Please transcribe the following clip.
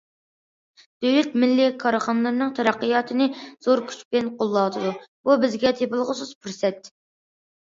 دۆلەت مىللىي كارخانىلارنىڭ تەرەققىياتىنى زور كۈچ بىلەن قوللاۋاتىدۇ، بۇ بىزگە تېپىلغۇسىز پۇرسەت.